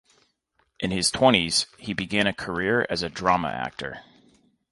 In his twenties, he began a career as a drama actor.